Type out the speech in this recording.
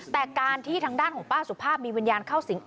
แต่การที่ทางด้านของป้าสุภาพมีวิญญาณเข้าสิง